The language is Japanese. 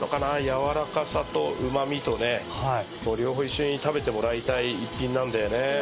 やわらかさとうまみとね両方一緒に食べてもらいたい一品なんだよね。